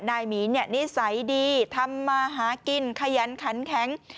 นายหมีเนี่ยนิสัยดีทำมาหากินขยันคันแข็ง